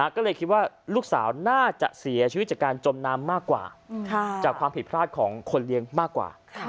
ก็เลยคิดว่าลูกสาวน่าจะเสียชีวิตจากการจมน้ำมากกว่าจากความผิดพลาดของคนเลี้ยงมากกว่า